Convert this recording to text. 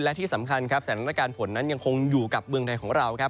และที่สำคัญครับสถานการณ์ฝนนั้นยังคงอยู่กับเมืองไทยของเราครับ